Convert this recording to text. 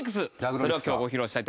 それを今日ご披露したいと思います。